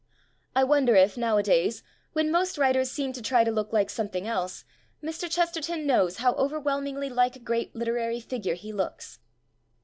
I wonder if, now adays, when most writers seem to try to look like something else, Mr. Ches terton knows how overwhelmingly like a great literary figure he looks.